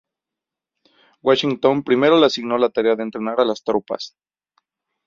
Washington primero le asignó la tarea de entrenar a las tropas.